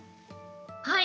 はい。